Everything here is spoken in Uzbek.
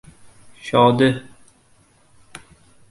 — Shodi!